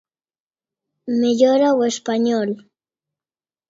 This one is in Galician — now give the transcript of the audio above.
Mellora o Español.